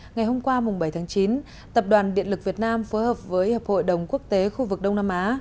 ngày hôm qua bảy tháng chín tập đoàn điện lực việt nam phối hợp với hiệp hội đồng quốc tế khu vực đông nam á